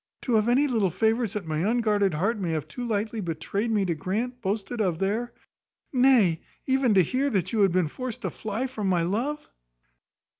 to have any little favours that my unguarded heart may have too lightly betrayed me to grant, boasted of there! nay, even to hear that you had been forced to fly from my love!"